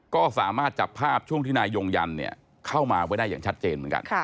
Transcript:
ก็สามารถจับภาพช่วงที่นายยงยันเข้ามาไว้ได้อย่างชัดเจนเหมือนกัน